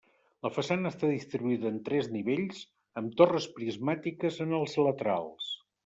La façana està distribuïda en tres nivells amb torres prismàtiques en els laterals.